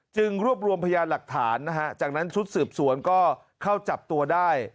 รวบรวมพยานหลักฐานนะฮะจากนั้นชุดสืบสวนก็เข้าจับตัวได้